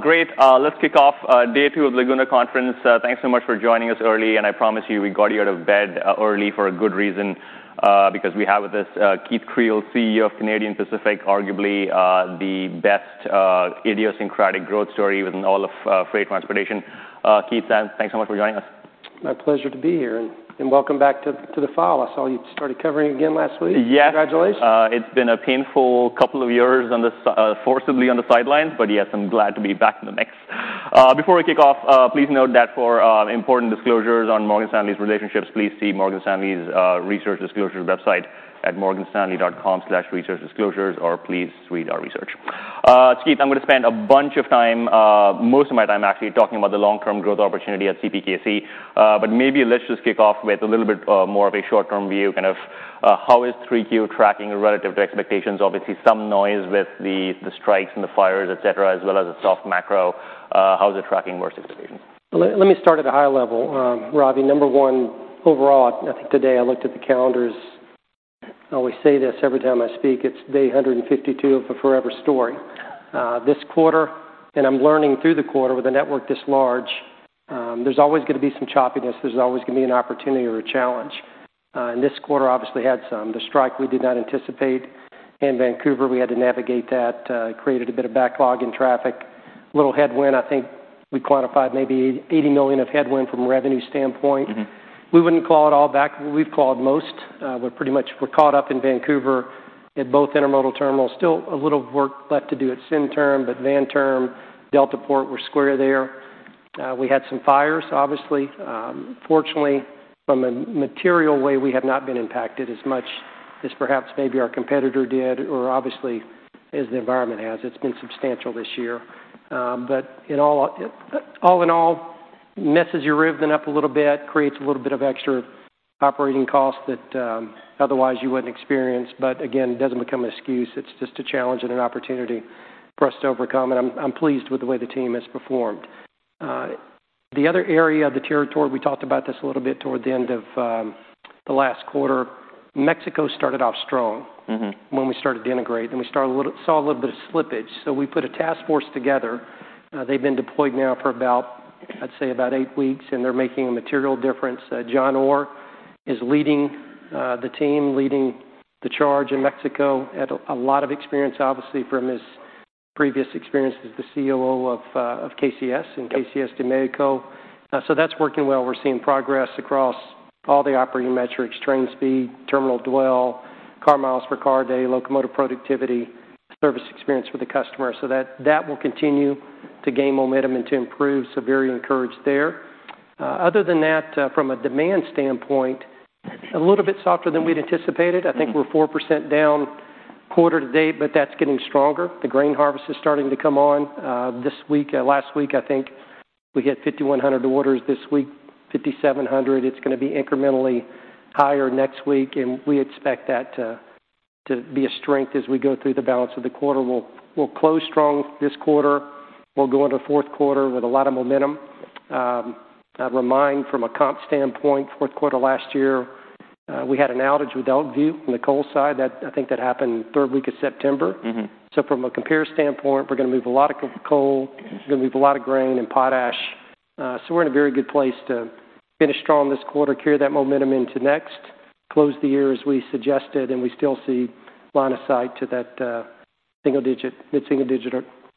Great. Let's kick off day two of Laguna Conference. Thanks so much for joining us early, and I promise you, we got you out of bed early for a good reason, because we have with us Keith Creel, CEO of Canadian Pacific, arguably the best idiosyncratic growth story within all of freight transportation. Keith, thanks so much for joining us. My pleasure to be here, and welcome back to the fall. I saw you started covering again last week. Yes. Congratulations. It's been a painful couple of years forcibly on the sidelines, but yes, I'm glad to be back in the mix. Before we kick off, please note that for important disclosures on Morgan Stanley's relationships, please see Morgan Stanley's research disclosures website at morganstanley.com/researchdisclosures, or please read our research. Keith, I'm gonna spend a bunch of time, most of my time, actually, talking about the long-term growth opportunity at CPKC. But maybe let's just kick off with a little bit more of a short-term view, kind of, how is Q3 tracking relative to expectations? Obviously, some noise with the strikes and the fires, etc., as well as the soft macro. How is it tracking versus expectations? Let me start at a high level. Ravi, number one, overall, I think today I looked at the calendars. I always say this every time I speak, it's day 152 of a forever story. This quarter, and I'm learning through the quarter, with a network this large, there's always gonna be some choppiness. There's always gonna be an opportunity or a challenge. This quarter obviously had some. The strike we did not anticipate in Vancouver. We had to navigate that. It created a bit of backlog in traffic, a little headwind. I think we quantified maybe $80 million of headwind from a revenue standpoint. We wouldn't call it all back. We've called most. We're pretty much. We're caught up in Vancouver at both intermodal terminals. Still a little work left to do at Centerm, but Vanterm, Deltaport, we're square there. We had some fires, obviously. Fortunately, from a material way, we have not been impacted as much as perhaps maybe our competitor did or obviously as the environment has. It's been substantial this year. But in all, all in all, messes your rhythm up a little bit, creates a little bit of extra operating costs that, otherwise you wouldn't experience, but again, it doesn't become an excuse. It's just a challenge and an opportunity for us to overcome, and I'm pleased with the way the team has performed. The other area of the territory, we talked about this a little bit toward the end of the last quarter. Mexico started off strong when we started to integrate, and we started a little, saw a little bit of slippage, so we put a task force together. They've been deployed now for about, I'd say, about eight weeks, and they're making a material difference. John Orr is leading the team, leading the charge in Mexico. Had a lot of experience, obviously, from his previous experience as the COO of KCS and KCS de México. That's working well. We're seeing progress across all the operating metrics, train speed, terminal dwell, car miles per car day, locomotive productivity, service experience with the customer. That, that will continue to gain momentum and to improve, so very encouraged there. Other than that, from a demand standpoint, a little bit softer than we'd anticipated. I think we're 4% down quarter-to-date, but that's getting stronger. The grain harvest is starting to come on this week. Last week, I think we had 5,100 orders. This week, 5,700. It's gonna be incrementally higher next week, and we expect that to be a strength as we go through the balance of the quarter. We'll close strong this quarter. We'll go into the fourth quarter with a lot of momentum. I'll remind from a comp standpoint, fourth quarter last year, we had an outage with Elkview on the coal side. That, I think, happened third week of September. From a compare standpoint, we're gonna move a lot of coal, we're gonna move a lot of grain and potash. So we're in a very good place to finish strong this quarter, carry that momentum into next, close the year as we suggested, and we still see line of sight to that single-digit, mid-single-digit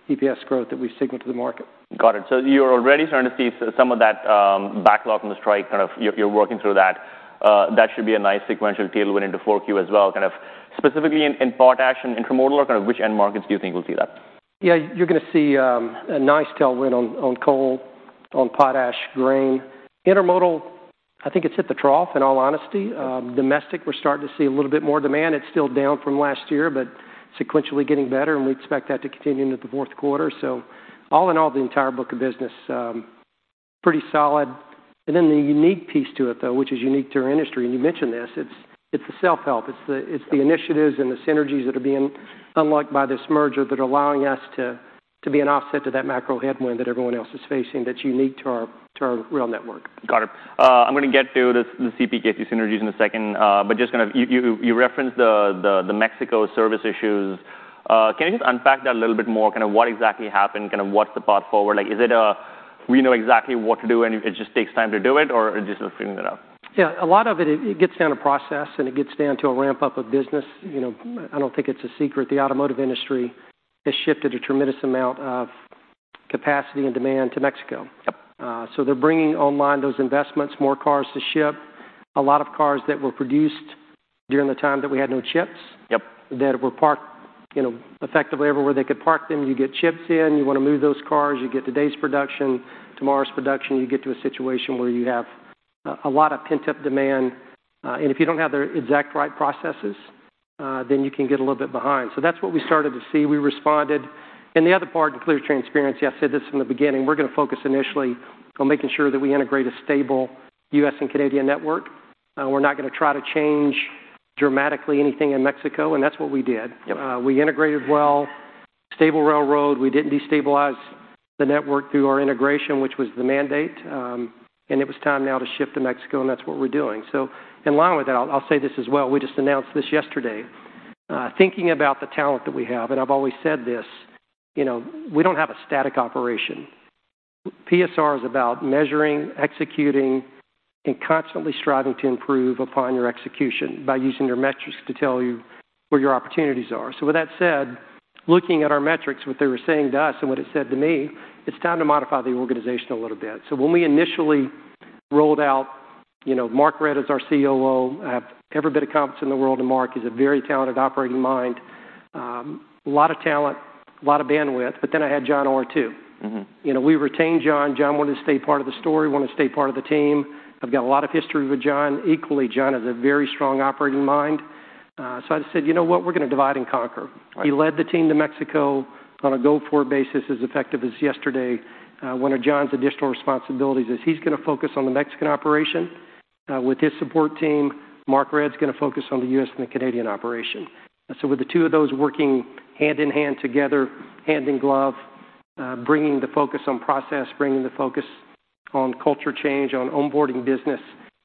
EPS growth that we signaled to the market. Got it. So you're already starting to see some of that, kind of you're working through that. That should be a nice sequential tailwind into Q4 as well. Kind of specifically in potash and intermodal, or kind of which end markets do you think will see that? You're gonna see a nice tailwind on coal, on potash, grain. Intermodal, I think it's hit the trough, in all honesty. Domestic, we're starting to see a little bit more demand. It's still down from last year, but sequentially getting better, and we expect that to continue into the fourth quarter. All in all, the entire book of business, pretty solid. The unique piece to it, though, which is unique to our industry, and you mentioned this, it's the self-help. It's the initiatives and the synergies that are being unlocked by this merger that are allowing us to be an offset to that macro headwind that everyone else is facing that's unique to our rail network. Got it. I'm gonna get to the CPKC synergies in a second, but just kind of. You referenced the Mexico service issues. Can you just unpack that a little bit more? Kind of what exactly happened, kind of what's the path forward? Like, is it we know exactly what to do, and it just takes time to do it, or just figuring it out? A lot of it gets down to process, and it gets down to a ramp-up of business. You know, I don't think it's a secret, the automotive industry has shifted a tremendous amount of capacity and demand to Mexico. They're bringing online those investments, more cars to ship, a lot of cars that were produced during the time that we had no chips that were parked, you know, effectively everywhere they could park them. You get chips in, you want to move those cars, you get today's production, tomorrow's production, you get to a situation where you have a lot of pent-up demand, and if you don't have the exact right processes, then you can get a little bit behind. That's what we started to see. We responded. And the other part, in clear transparency, I've said this from the beginning, we're gonna focus initially on making sure that we integrate a stable US and Canadian network. We're not gonna try to change dramatically anything in Mexico, and that's what we did. We integrated well. Stable railroad. We didn't destabilize the network through our integration, which was the mandate, and it was time now to shift to Mexico, and that's what we're doing. So in line with that, I'll say this as well, we just announced this yesterday. Thinking about the talent that we have, and I've always said this, you know, we don't have a static operation. PSR is about measuring, executing, and constantly striving to improve upon your execution by using your metrics to tell you where your opportunities are. With that said, looking at our metrics, what they were saying to us and what it said to me, it's time to modify the organization a little bit. When we initially rolled out, you know, Mark Redd is our COO. I have every bit of confidence in the world, and Mark is a very talented operating mind. A lot of talent, a lot of bandwidth. I had John Orr, too. You know, we retained John. John wanted to stay part of the story, wanted to stay part of the team. I've got a lot of history with John. Equally, John is a very strong operating mind. So I just said, "You know what? We're gonna divide and conquer. Right. He led the team to Mexico on a go-forward basis, as effective as yesterday. One of John's additional responsibilities is he's gonna focus on the Mexican operation with his support team. Mark Redd is gonna focus on the U.S. and the Canadian operation. With the two of those working hand-in-hand together, hand in glove, bringing the focus on process, bringing the focus on culture change, on onboarding business,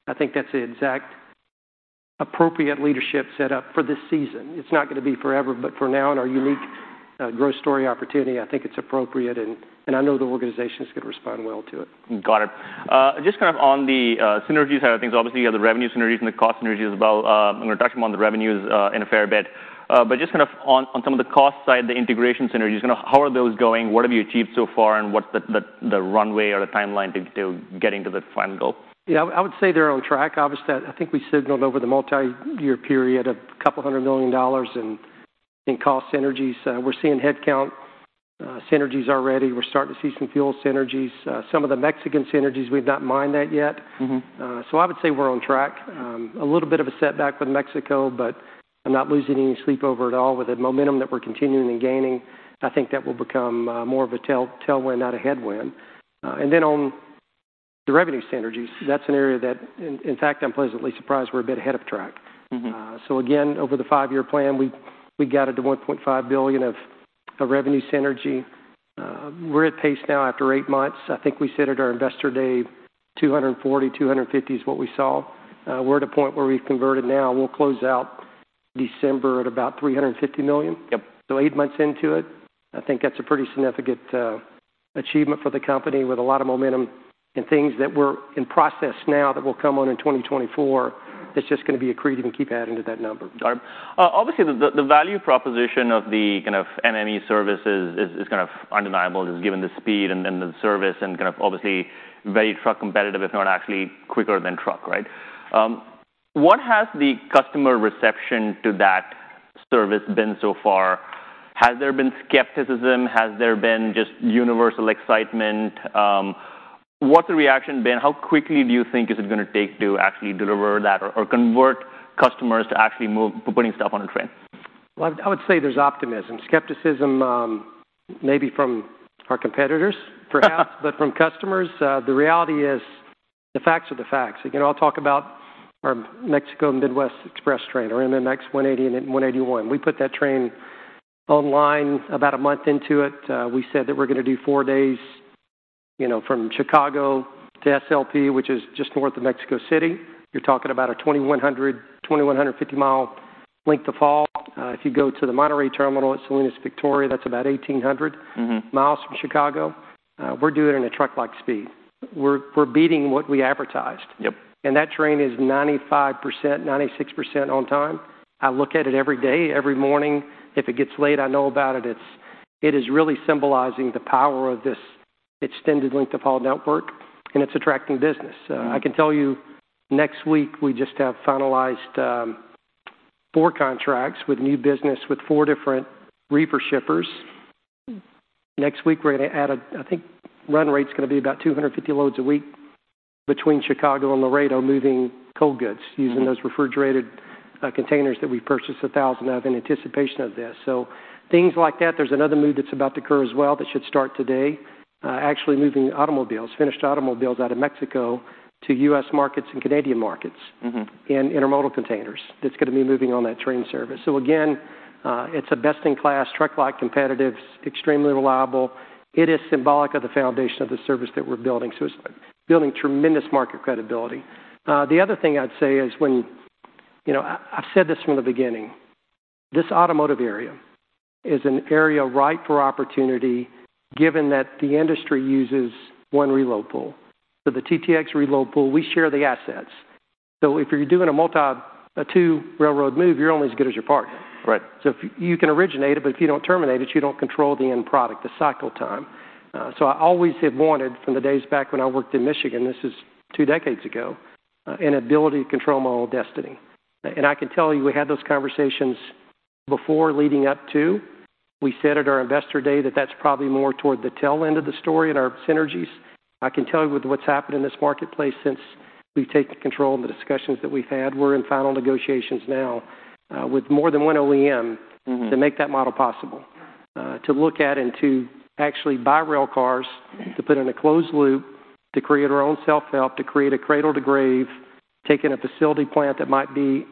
I think that's the exact appropriate leadership set up for this season. It's not gonna be forever, but for now, in our unique growth story opportunity, I think it's appropriate, and, and I know the organization is gonna respond well to it. Got it. Just kind of on the synergies side of things. Obviously, you have the revenue synergies and the cost synergies as well. I'm gonna touch more on the revenues in a fair bit. Just kind of on some of the cost side, the integration synergies, you know, how are those going? What have you achieved so far, and what's the runway or the timeline to getting to the final goal? I would say they're on track. Obviously, I think we signaled over the multiyear period a couple of hundred million dollars in cost synergies. We're seeing headcount synergies already. We're starting to see some fuel synergies. Some of the Mexican synergies, we've not mined that yet. I would say we're on track. A little bit of a setback with Mexico, but I'm not losing any sleep over it at all. With the momentum that we're continuing and gaining, I think that will become more of a tailwind, not a headwind. On the revenue synergies, that's an area that, in fact, I'm pleasantly surprised we're a bit ahead of track. Again, over the five-year plan, we got it to $1.5 billion of revenue synergy. We're at pace now after eight months. I think we said at our Investor Day, $240 to 250 million is what we saw. We're at a point where we've converted now. We'll close out December at about $350 million. Eight months into it, I think that's a pretty significant achievement for the company with a lot of momentum and things that we're in process now that will come on in 2024. It's just gonna be accretive and keep adding to that number. Got it. Obviously, the value proposition of the kind of MMX services is kind of undeniable, just given the speed and then the service and kind of obviously very truck competitive, if not actually quicker than truck, right? What has the customer reception to that service been so far? Has there been skepticism? Has there been just universal excitement? What's the reaction been? How quickly do you think is it gonna take to actually deliver that or convert customers to actually move putting stuff on a train? Well, I would say there's optimism. Skepticism, maybe from our competitors, perhaps, but from customers, the reality is the facts are the facts. You know, I'll talk about our Mexico and Midwest Express train, or MMX 180 and 181. We put that train online. About a month into it, we said that we're gonna do four days, you know, from Chicago to SLP, which is just north of Mexico City. You're talking about a 2,100 to 2,150-mile length-of-haul. If you go to the Monterrey terminal at Salinas Victoria, that's about 1,800 miles from Chicago. We're doing it in a truck-like speed. We're beating what we advertised. That train is 95% to 96% on time. I look at it every day, every morning. If it gets late, I know about it. It is really symbolizing the power of this extended length-of-haul network, and it's attracting business. I can tell you next week, we just have finalized four contracts with new business with four different reefer shippers. Next week, we're gonna add, I think, run rate's gonna be about 250 loads a week between Chicago and Laredo, moving cold goods using those refrigerated containers that we purchased 1,000 of in anticipation of this. Things like that. There's another move that's about to occur as well that should start today. Actually moving automobiles, finished automobiles out of Mexico to US markets and Canadian markets in intermodal containers. That's gonna be moving on that train service. So again, it's a best-in-class, truck-like competitive, extremely reliable. It is symbolic of the foundation of the service that we're building, so it's building tremendous market credibility. The other thing I'd say is when. You know, I've said this from the beginning, this automotive area is an area ripe for opportunity, given that the industry uses one reload pool. So the TTX reload pool, we share the assets. So if you're doing a two railroad move, you're only as good as your partner. So if you, you can originate it, but if you don't terminate it, you don't control the end product, the cycle time. So I always have wanted, from the days back when I worked in Michigan, this is two decades ago, an ability to control my own destiny. I can tell you, we had those conversations before leading up to. We said at our Investor Day that that's probably more toward the tail end of the story in our synergies. I can tell you with what's happened in this marketplace since we've taken control and the discussions that we've had, we're in final negotiations now, with more than one OEM to make that model possible. To look at and to actually buy rail cars, to put in a closed loop, to create our own self-help, to create a cradle-to-grave, taking a facility plant that might be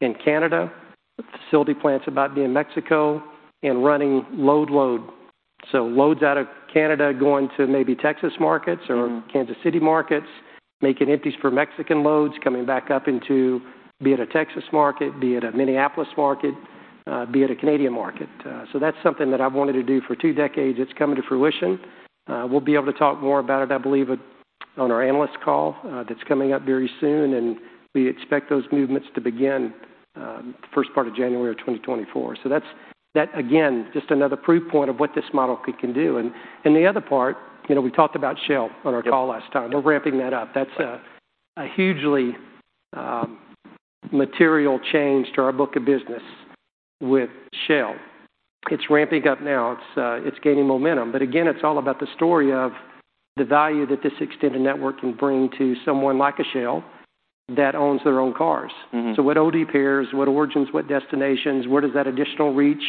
in Canada, a facility plant might be in Mexico, and running load. Loads out of Canada going to maybe Texas markets or Kansas City markets, making empties for Mexican loads, coming back up into, be it a Texas market, be it a Minneapolis market, be it a Canadian market. So that's something that I've wanted to do for two decades. It's coming to fruition. We'll be able to talk more about it, I believe, on our analyst call, that's coming up very soon, and we expect those movements to begin the first part of January 2024. That's that, again, just another proof point of what this model can do. And the other part, you know, we talked about Shell on our call last time. We're ramping that up. That's a hugely material change to our book of business with Shell. It's ramping up now. It's gaining momentum. But again, it's all about the story of the value that this extended network can bring to someone like a Shell that owns their own cars. What OD pairs, what origins, what destinations, where does that additional reach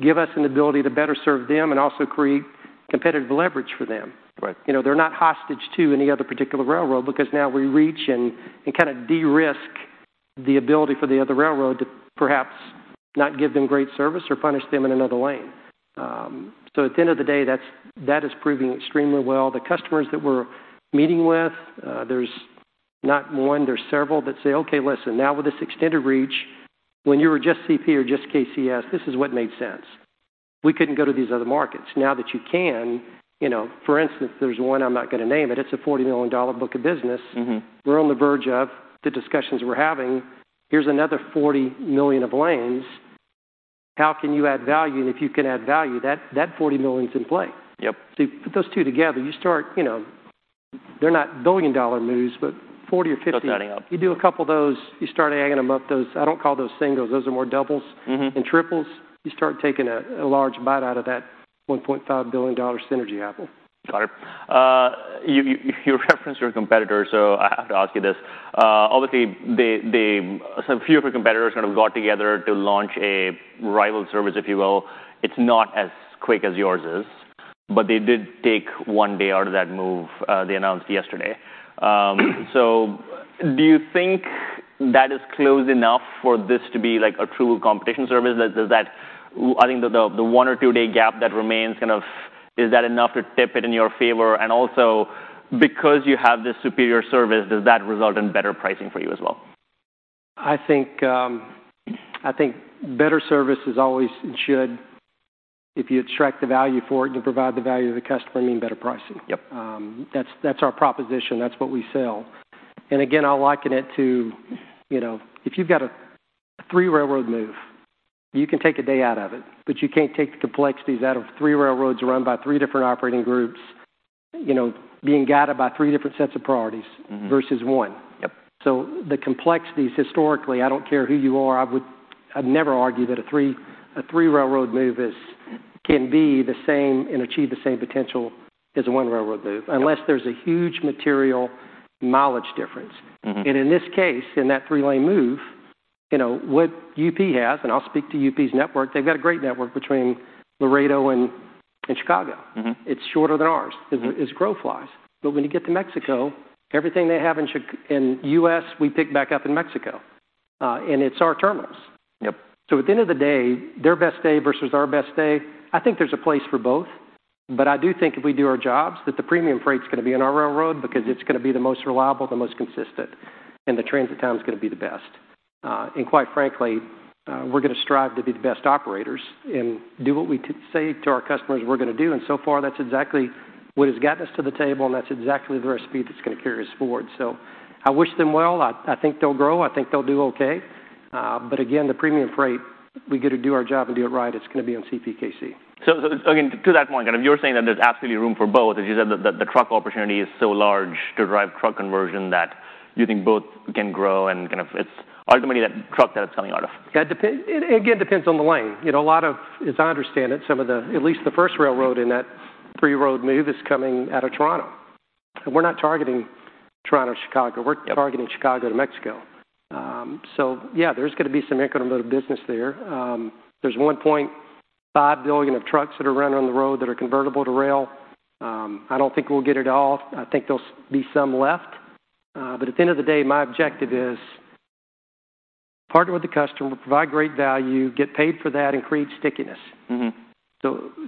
give us an ability to better serve them and also create competitive leverage for them? Right. You know, they're not hostage to any other particular railroad because now we reach and kind of de-risk the ability for the other railroad to perhaps not give them great service or punish them in another lane. So at the end of the day, that is proving extremely well. The customers that we're meeting with, there's not one, there's several that say, "Okay, listen, now with this extended reach, when you were just CP or just KCS, this is what made sense. We couldn't go to these other markets." Now that you can, you know, for instance, there's one, I'm not going to name it, it's a $40 million book of business. We're on the verge of the discussions we're having. Here's another $40 million of lanes. How can you add value? And if you can add value, that, that $40 million is in play. You put those two together, you start, you know... They're not billion-dollar moves, but 40 or 50. Still adding up. You do a couple of those, you start adding them up, those I don't call those singles, those are more doubles and triples. You start taking a large bite out of that $1.5 billion synergy apple. Got it. You referenced your competitor, so I have to ask you this. Obviously, a few of your competitors kind of got together to launch a rival service, if you will. It's not as quick as yours is, but they did take one day out of that move, they announced yesterday. Do you think that is close enough for this to be, like, a true competition service? Does that, I think the one or two-day gap that remains kind of, is that enough to tip it in your favor? And also, because you have this superior service, does that result in better pricing for you as well? I think, I think better service is always and should, if you extract the value for it, to provide the value to the customer, mean better pricing. That's our proposition. That's what we sell. Again, I'll liken it to, you know, if you've got a three-railroad move, you can take a day out of it, but you can't take the complexities out of three railroads run by three different operating groups, you know, being guided by three different sets of priorities versus one. The complexities, historically, I don't care who you are, I'd never argue that a three-railroad move can be the same and achieve the same potential as a one-railroad move unless there's a huge material mileage difference. In this case, in that three-lane move, you know, what UP has, and I'll speak to UP's network, they've got a great network between Laredo and Chicago. It's shorter than ours. It's as the crow flies. But when you get to Mexico, everything they have in Chicago in US., we pick back up in Mexico, and it's our terminals. So at the end of the day, their best day versus our best day, I think there's a place for both, but I do think if we do our jobs, that the premium freight is going to be on our railroad because it's going to be the most reliable, the most consistent, and the transit time is going to be the best. Quite frankly, we're going to strive to be the best operators and do what we say to our customers we're going to do. So far, that's exactly what has gotten us to the table, and that's exactly the recipe that's going to carry us forward. I wish them well. I think they'll grow. I think they'll do okay. But again, the premium freight, we get to do our job and do it right, it's going to be on CPKC. Again, to that point, kind of you're saying that there's absolutely room for both, as you said, the truck opportunity is so large to drive truck conversion, that you think both can grow and kind of it's ultimately that truck that it's coming out of. That depends. It again, depends on the lane. You know, a lot of, as I understand it, some of the, at least the first railroad in that three-road move is coming out of Toronto. We're not targeting Toronto, Chicago. We're targeting Chicago to Mexico. There's going to be some incremental business there. There's $1.5 billion of trucks that are running on the road that are convertible to rail. I don't think we'll get it all. I think there'll be some left, but at the end of the day, my objective is partner with the customer, provide great value, get paid for that, and create stickiness.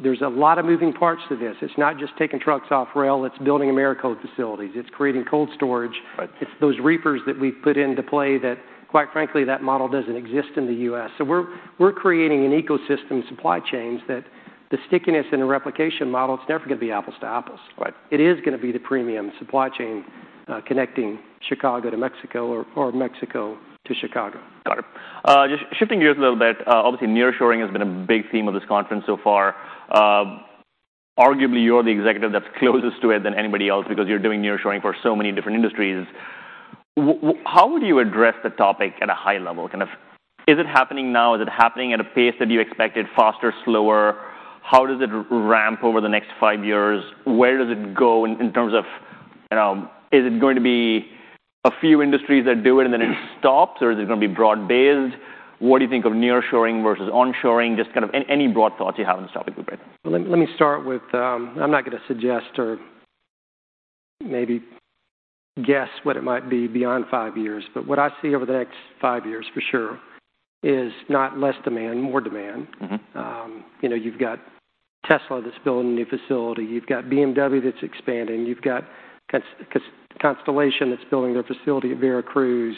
There's a lot of moving parts to this. It's not just taking trucks off rail, it's building intermodal facilities, it's creating cold storage. It's those reefers that we've put into play that, quite frankly, that model doesn't exist in the US So we're creating an ecosystem, supply chains, that the stickiness and the replication model, it's never going to be apples to apples. It is going to be the premium supply chain, connecting Chicago to Mexico or, or Mexico to Chicago. Got it. Just shifting gears a little bit, obviously, nearshoring has been a big theme of this conference so far. Arguably, you're the executive that's closest to it than anybody else because you're doing nearshoring for so many different industries. How would you address the topic at a high level? Kind of, is it happening now? Is it happening at a pace that you expected, faster, slower? How does it ramp over the next five years? Where does it go in terms of, you know, is it going to be a few industries that do it, and then it stops, or is it going to be broad-based? What do you think of nearshoring versus onshoring? Just kind of any broad thoughts you have on the topic quickly. Well, let me start with. I'm not going to suggest or maybe guess what it might be beyond five years, but what I see over the next five years for sure is not less demand, more demand. You know, you've got Tesla that's building a new facility. You've got BMW that's expanding. You've got Constellation that's building their facility at Veracruz.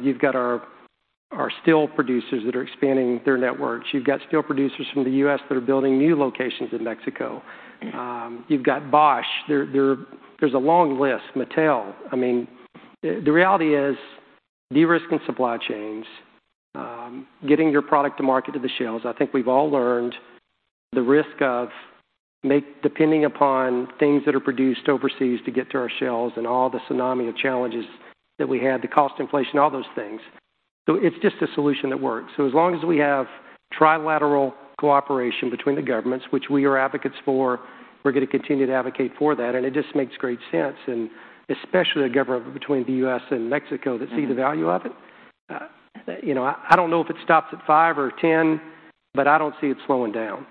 You've got our steel producers that are expanding their networks. You've got steel producers from the U.S. that are building new locations in Mexico. You've got Bosch. There's a long list, Mattel. The reality is de-risking supply chains, getting your product to market, to the shelves. I think we've all learned the risk of depending upon things that are produced overseas to get to our shelves and all the tsunami of challenges that we had, the cost inflation, all those things. It's just a solution that works. As long as we have trilateral cooperation between the governments, which we are advocates for, we're going to continue to advocate for that, and it just makes great sense, and especially the government between the US and Mexico that see the value of it. You know, I don't know if it stops at five or 10, but I don't see it slowing down.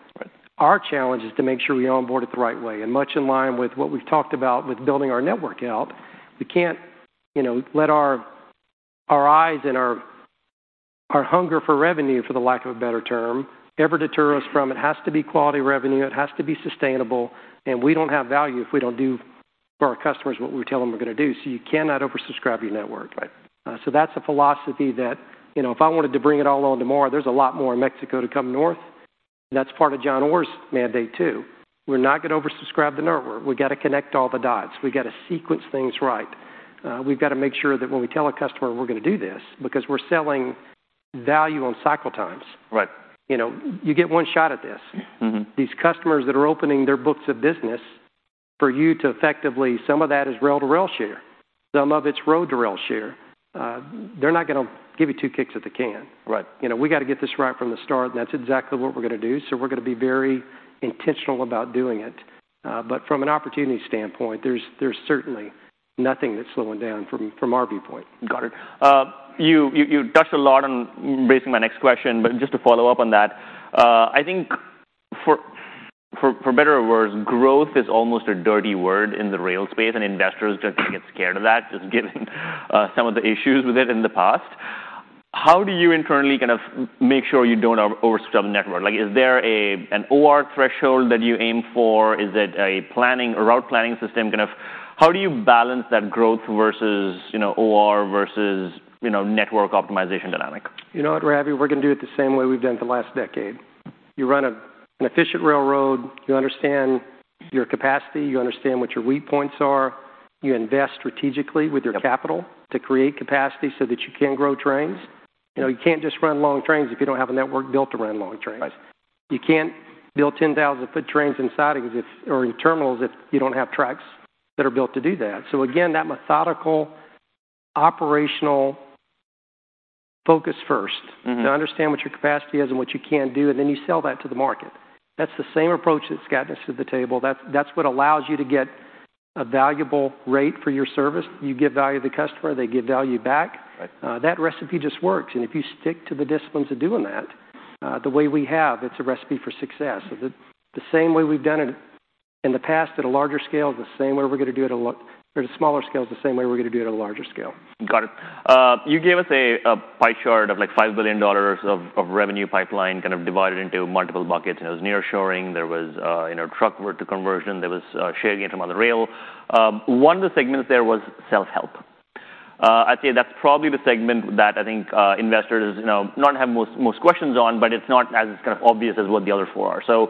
Our challenge is to make sure we onboard it the right way, and much in line with what we've talked about with building our network out, we can't, you know, let our eyes and our hunger for revenue, for the lack of a better term, ever deter us from it. It has to be quality revenue, it has to be sustainable, and we don't have value if we don't do for our customers what we tell them we're going to do. You cannot oversubscribe your network. That's a philosophy that, you know, if I wanted to bring it all on tomorrow, there's a lot more in Mexico to come north, and that's part of John Orr's mandate, too. We're not going to oversubscribe the network. We got to connect all the dots. We got to sequence things right. We've got to make sure that when we tell a customer we're going to do this because we're selling value on cycle times. You know, you get one shot at this. These customers that are opening their books of business for you to effectively. Some of that is rail-to-rail share, some of it's road-to-rail share. They're not gonna give you two kicks at the can. You know, we got to get this right from the start, and that's exactly what we're going to do. We're going to be very intentional about doing it. But from an opportunity standpoint, there's certainly nothing that's slowing down from our viewpoint. Got it. You touched a lot on basically my next question, but just to follow up on that, I think for better or worse, growth is almost a dirty word in the rail space, and investors just get scared of that, just given some of the issues with it in the past. How do you internally kind of make sure you don't oversubscribe the network? Like, is there an OR threshold that you aim for? Is it a planning, a route planning system kind of...? How do you balance that growth versus, you know, OR versus, you know, network optimization dynamic? You know what, Ravi? We're going to do it the same way we've done it for the last decade. You run an efficient railroad, you understand your capacity, you understand what your weak points are, you invest strategically with your. Capital to create capacity so that you can grow trains. You know, you can't just run long trains if you don't have a network built to run long trains. You can't build 10,000-foot trains in sidings or in terminals if you don't have tracks that are built to do that. So again, that methodical, operational focus first to understand what your capacity is and what you can do, and then you sell that to the market. That's the same approach that's gotten us to the table. That's, that's what allows you to get a valuable rate for your service. You give value to the customer, they give value back. That recipe just works, and if you stick to the disciplines of doing that the way we have, it's a recipe for success. The same way we've done it in the past at a larger scale is the same way we're going to do it at a smaller scale. Is the same way we're going to do it at a larger scale. Got it. You gave us a pie chart of, like, $5 billion of revenue pipeline kind of divided into multiple buckets. There was nearshoring, there was, you know, truck route to conversion, there was, sharing it from on the rail. One of the segments there was self-help. I'd say that's probably the segment that I think investors, you know, not have most questions on, but it's not as kind of obvious as what the other four are.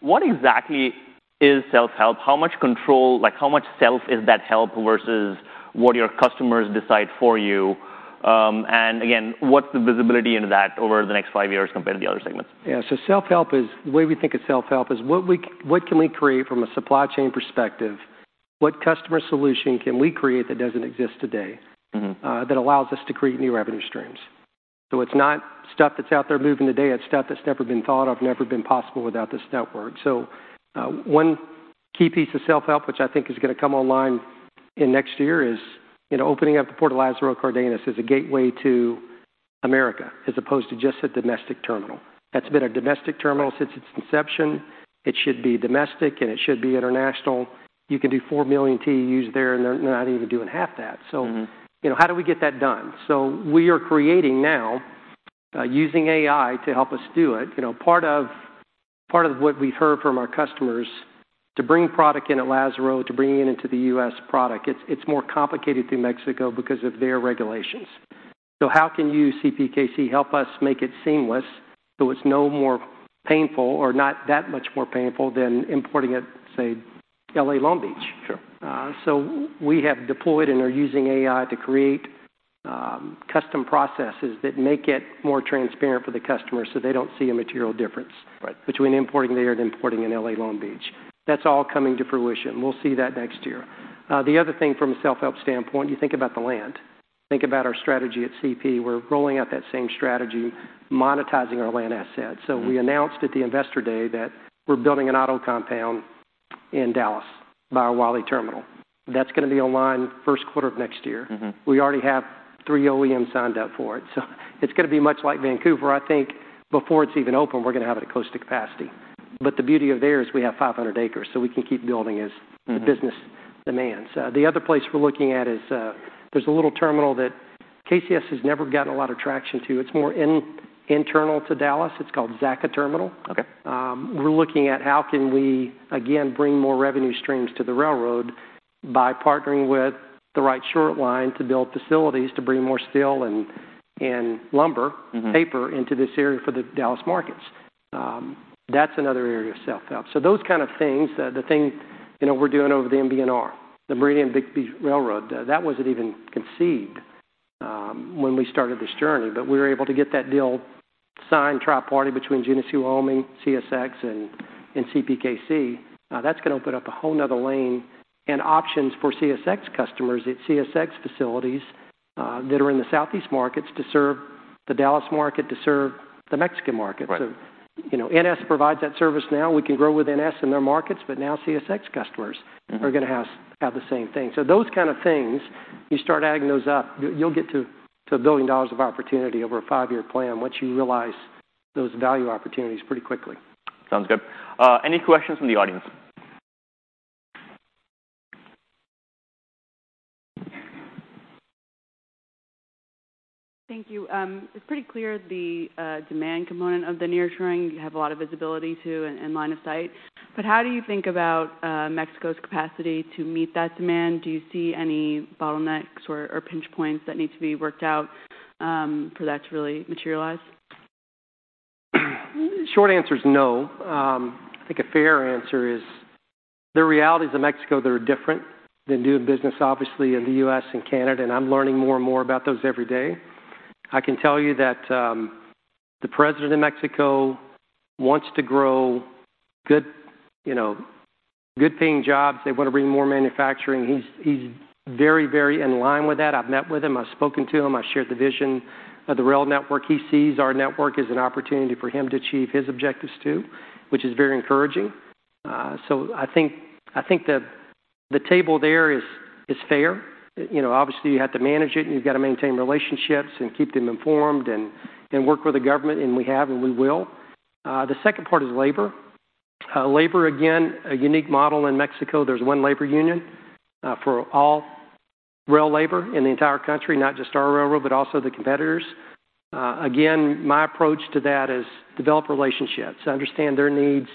What exactly is self-help? How much control like, how much self is that help versus what your customers decide for you? And again, what's the visibility into that over the next five years compared to the other segments? Yeah. Self-help is the way we think of self-help is what we can create from a supply chain perspective? What customer solution can we create that doesn't exist today that allows us to create new revenue streams? It's not stuff that's out there moving today, it's stuff that's never been thought of, never been possible without this network. One key piece of self-help, which I think is going to come online in next year, is, you know, opening up the Port of Lázaro Cárdenas as a gateway to America, as opposed to just a domestic terminal. That's been a domestic terminal since its inception. It should be domestic, and it should be international. You can do four million TEUs there, and they're not even doing half that. You know, how do we get that done? We are creating now, using AI to help us do it. You know, part of, part of what we've heard from our customers, to bring product in at Lázaro, to bring it into the US product, it's, it's more complicated through Mexico because of their regulations. How can you, CPKC, help us make it seamless so it's no more painful or not that much more painful than importing at, say, L.A. Long Beach? We have deployed and are using AI to create custom processes that make it more transparent for the customer, so they don't see a material difference. Right Between importing there and importing in L.A. Long Beach. That's all coming to fruition. We'll see that next year. The other thing from a self-help standpoint, you think about the land. Think about our strategy at CP. We're rolling out that same strategy, monetizing our land assets. We announced at the Investor Day that we're building an auto compound in Dallas by our Wylie terminal. That's going to be online first quarter of next year. We already have three OEMs signed up for it, so it's going to be much like Vancouver. I think before it's even open, we're going to have it at close to capacity. But the beauty of there is we have 500 acres, so we can keep building as the business demands. The other place we're looking at is, there's a little terminal that KCS has never gotten a lot of traction to. It's more internal to Dallas. It's called Zacha Terminal. We're looking at how can we, again, bring more revenue streams to the railroad by partnering with the right short line to build facilities, to bring more steel and lumber paper into this area for the Dallas markets. That's another area of self-help. Those kind of things, the thing, you know, we're doing over the MNBR, the Meridian & Bigbee Railroad, that wasn't even conceived, when we started this journey. We were able to get that deal signed, tri-party between Genesee & Wyoming, CSX, and, and CPKC. Now, that's gonna open up a whole another lane and options for CSX customers at CSX facilities, that are in the southeast markets to serve the Dallas market, to serve the Mexican market. You know, NS provides that service now. We can grow with NS in their markets, but now CSX customers are gonna have the same thing. Those kind of things, you start adding those up, you, you'll get to $1 billion of opportunity over a five-year plan, once you realize those value opportunities pretty quickly. Sounds good. Any questions from the audience? Thank you. It's pretty clear the demand component of the nearshoring, you have a lot of visibility to and line of sight. But how do you think about Mexico's capacity to meet that demand? Do you see any bottlenecks or pinch points that need to be worked out for that to really materialize? Short answer is no. I think a fair answer is, the realities of Mexico, they're different than doing business, obviously, in the US and Canada, and I'm learning more and more about those every day. I can tell you that, the president of Mexico wants to grow good, you know, good-paying jobs. They want to bring more manufacturing. He's very, very in line with that. I've met with him. I've spoken to him. I shared the vision of the rail network. He sees our network as an opportunity for him to achieve his objectives, too, which is very encouraging. I think the table there is fair. You know, obviously, you have to manage it, and you've got to maintain relationships and keep them informed and work with the government, and we have, and we will. The second part is labor. Labor, again, a unique model in Mexico. There's one labor union for all rail labor in the entire country, not just our railroad, but also the competitors. Again, my approach to that is develop relationships, understand their needs,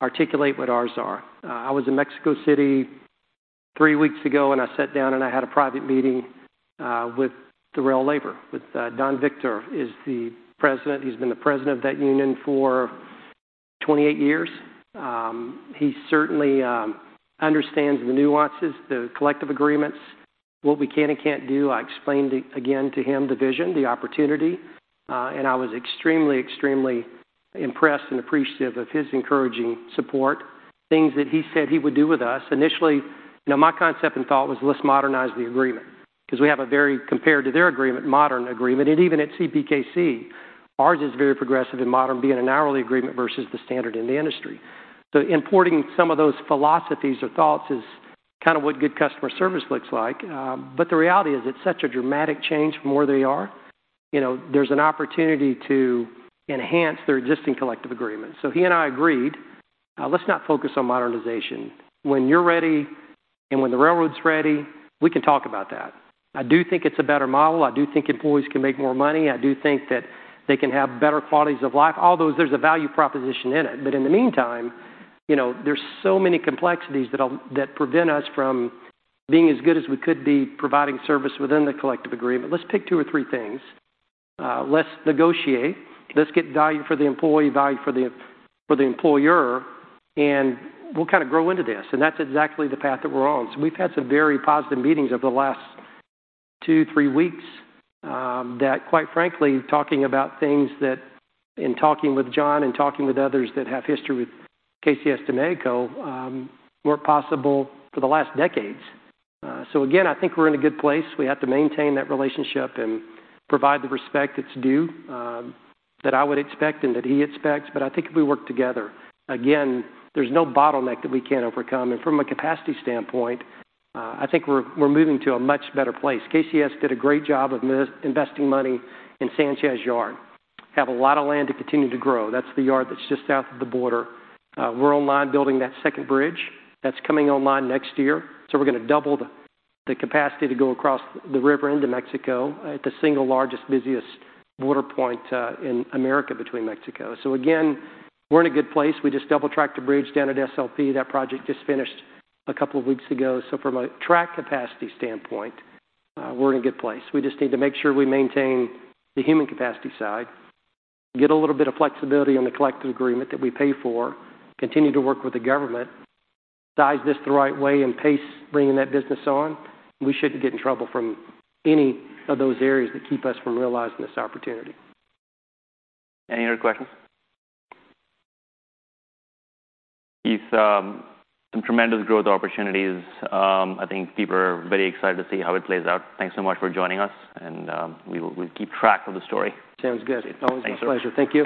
articulate what ours are. I was in Mexico City three weeks ago, and I sat down and I had a private meeting with the rail labor, with Don Victor, is the president. He's been the president of that union for 28 years. He certainly understands the nuances, the collective agreements, what we can and can't do. I explained, again, to him, the vision, the opportunity, and I was extremely, extremely impressed and appreciative of his encouraging support, things that he said he would do with us. Initially, you know, my concept and thought was, let's modernize the agreement because we have a very, compared to their agreement, modern agreement. And even at CPKC, ours is very progressive and modern, being an hourly agreement versus the standard in the industry. So importing some of those philosophies or thoughts is kind of what good customer service looks like. But the reality is, it's such a dramatic change from where they are. You know, there's an opportunity to enhance their existing collective agreement. He and I agreed, "Let's not focus on modernization. When you're ready and when the railroad's ready, we can talk about that." I do think it's a better model. I do think employees can make more money. I do think that they can have better qualities of life. All those, there's a value proposition in it. In the meantime, you know, there's so many complexities that prevent us from being as good as we could be, providing service within the collective agreement. Let's pick two or three things. Let's negotiate. Let's get value for the employee, value for the, for the employer, and we'll kind of grow into this, and that's exactly the path that we're on. We've had some very positive meetings over the last two, three weeks, that, quite frankly, talking about things that in talking with John and talking with others that have history with KCS de México, weren't possible for the last decades. Again, I think we're in a good place. We have to maintain that relationship and provide the respect that's due, that I would expect and that he expects. But I think if we work together, again, there's no bottleneck that we can't overcome. From a capacity standpoint, I think we're moving to a much better place. KCS did a great job of mis-investing money in Sanchez Yard, have a lot of land to continue to grow. That's the yard that's just south of the border. We're building that second bridge. That's coming online next year. We're gonna double the capacity to go across the river into Mexico at the single largest, busiest border point in America, between Mexico. Again, we're in a good place. We just double-tracked a bridge down at SLP. That project just finished a couple of weeks ago. From a track capacity standpoint, we're in a good place. We just need to make sure we maintain the human capacity side, get a little bit of flexibility on the collective agreement that we pay for, continue to work with the government, size this the right way, and pace bringing that business on. We shouldn't get in trouble from any of those areas that keep us from realizing this opportunity. Any other questions? Keith, some tremendous growth opportunities. I think people are very excited to see how it plays out. Thanks so much for joining us, and we'll keep track of the story. Sounds good. Thanks. Always my pleasure. Thank you.